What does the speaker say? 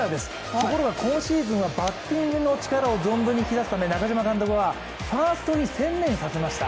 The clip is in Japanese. ところが今シーズンはバッティングの力を存分に引き出すため中嶋監督はファーストに専念させました。